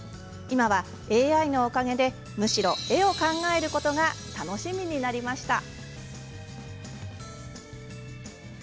今はＡＩのおかげで、むしろ絵を考えることが楽しみになりました。